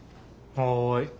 はい。